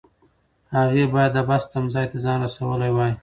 هغې باید د بس تمځای ته ځان رسولی وای.